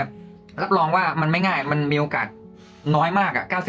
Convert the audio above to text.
เงี้ยรับรองว่ามันไม่ง่ายมันมีโอกาสน้อยมากอ่ะเก้าสิ